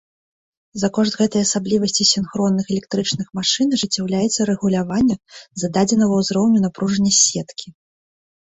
За кошт гэтай асаблівасці сінхронных электрычных машын ажыццяўляецца рэгуляванне зададзенага ўзроўню напружання сеткі.